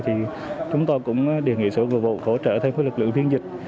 thì chúng tôi cũng đề nghị sự hỗ trợ thêm với lực lượng viên dịch